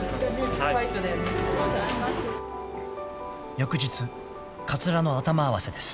［翌日かつらの頭合わせです］